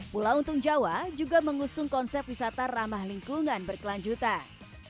pulau untung jawa juga mengusung konsep wisata ramah lingkungan berkelanjutan